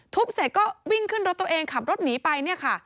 ทุบเสร็จก็วิ่งขึ้นรถตัวเองขับรถหนีไป